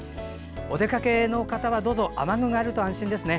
お出かけの方は雨具があると安心ですね。